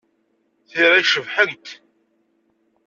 Tira-k cebḥent!